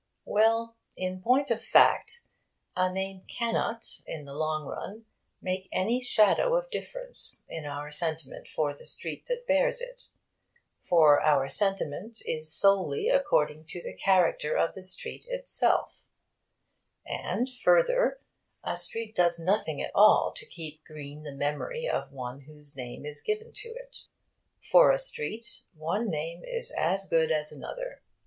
Well, in point of fact, a name cannot (in the long run) make any shadow of difference in our sentiment for the street that bears it, for our sentiment is solely according to the character of the street itself; and, further, a street does nothing at all to keep green the memory of one whose name is given to it. For a street one name is as good as another.